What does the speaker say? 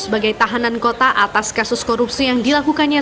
sebagai tahanan kota atas kasus korupsi yang dilakukannya